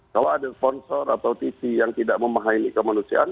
kalau ada sponsor atau tv yang tidak memahami kemanusiaan